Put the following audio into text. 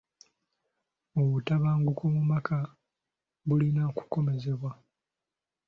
Obutabanguko mu maka bulina okukomezebwa.